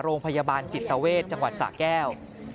โรงพยาบาลจิตเวทจังหวัดสะแก้ว